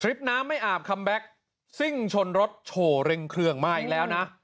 น้ำไม่อาบคัมแบ็คซิ่งชนรถโชว์เร่งเครื่องมาอีกแล้วนะ